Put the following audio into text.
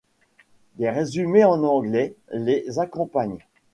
Des résumés en anglais les accompagnent.